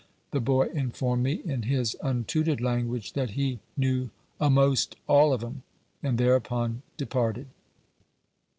The boy informed me, in his untutored language, that he knew "a'most all of 'em," and thereupon departed.